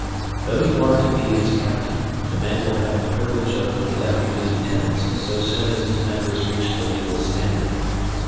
Though you are to be its captain, the men will have the privilege of electing the lieutenants so soon as its members reach the legal standard.